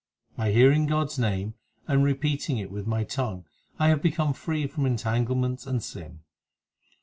By hearing God s name and repeating it with my tongue I have become freed from entanglements and sin.